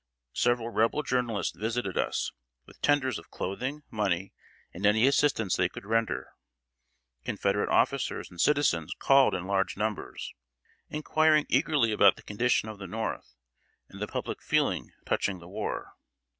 Several Rebel journalists visited us, with tenders of clothing, money, and any assistance they could render. Confederate officers and citizens called in large numbers, inquiring eagerly about the condition of the North, and the public feeling touching the war.